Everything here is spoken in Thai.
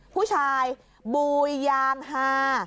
ผู้ชายบูยยางฮา